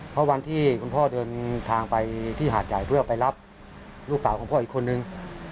เพราะวันที่คุณพ่อเดินทางไปที่หาดใหญ่เพื่อไปรับลูกสาวของพ่ออีกคนนึง